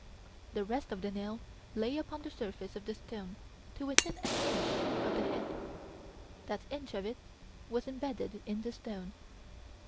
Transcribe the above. The rest of the nail lay upon the surface of the stone to within an inch of the head that inch of it was embedded in the stone.